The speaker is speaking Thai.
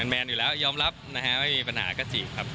แมนอยู่แล้วยอมรับนะฮะไม่มีปัญหาก็จีบครับ